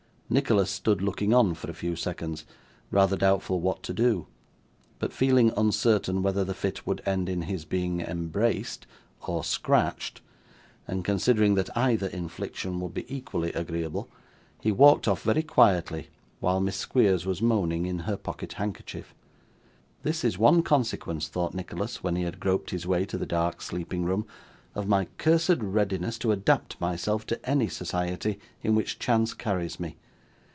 Nicholas stood looking on for a few seconds, rather doubtful what to do, but feeling uncertain whether the fit would end in his being embraced, or scratched, and considering that either infliction would be equally agreeable, he walked off very quietly while Miss Squeers was moaning in her pocket handkerchief. 'This is one consequence,' thought Nicholas, when he had groped his way to the dark sleeping room, 'of my cursed readiness to adapt myself to any society in which chance carries me.